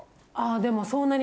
でも。